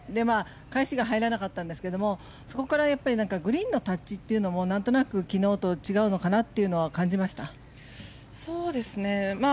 返しが入らなかったんですけどそこからグリーンのタッチというのも何となく昨日と違うかなというのは感じました？